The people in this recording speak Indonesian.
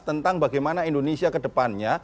tentang bagaimana indonesia kedepannya